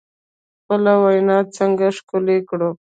خپله وینا څنګه ښکلې کړو؟